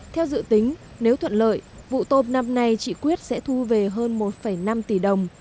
theo dự tính nếu thuận lợi vụ tôm năm nay chị quyết sẽ thu về hơn một năm tỷ đồng